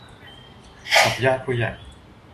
กับญาติผู้ใหญ่